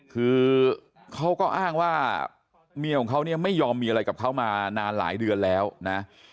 คือเขาก็อ้างว่าเมียของเขาเนี่ยไม่ยอมมีอะไรกับเขามานานหลายเดือนแล้วนะ